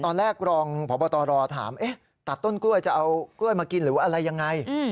ตอนแรกรองพบตรถามตัดต้นกล้วยจะเอากล้วยมากินหรืออะไรยังไง